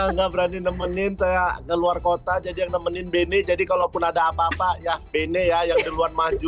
hahaha saya gak berani nemenin saya keluar kota jadi yang nemenin bene jadi kalau pun ada apa apa ya bene ya yang duluan maju